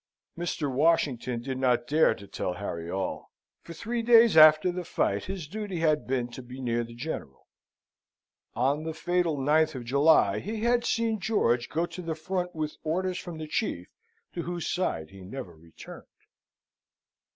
Mr. Washington did not dare to tell Harry all. For three days after the fight his duty had been to be near the General. On the fatal 9th of July, he had seen George go to the front with orders from the chief, to whose side he never returned.